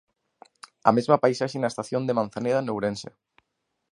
A mesma paisaxe na estación de Manzaneda en Ourense.